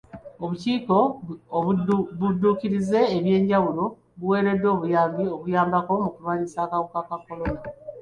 Obukiiko obudduukirize obw'enjawulo buweereddwa obuyambi okuyambako mu kulwanyisa akawuka ka kolona.